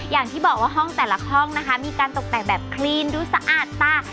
อย่างที่บอกว่าห้องแต่ละห้องนะคะมีการตกแต่งแบบคลีนดูสะอาดตา